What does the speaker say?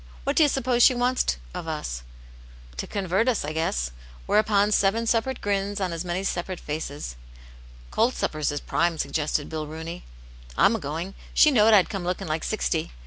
What do you suppose she wants of us?" To convert us, I guess." Whereupon seven sepa« rate grins on as many separate faces. '^ Cold suppers IS prime" sugg^slefii 'BXVV '^oKyciK^. Aunt Jane's Hero. 133 "Tm a going. She knowed I'd comelooking like sixty.